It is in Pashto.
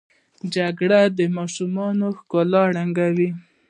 جګړه د ماشومتوب ښکلا ړنګوي